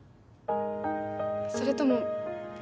それとも